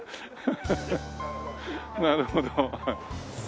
なるほど。